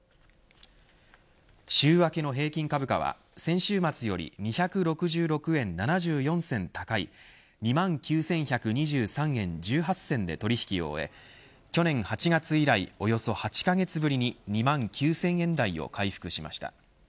週明けの平均株価は先週末より２６６円７４銭高い２万９１２３円１８銭で取り引きを終え去年８月以来およそ８カ月ぶりに２万９０００円台を回復しました。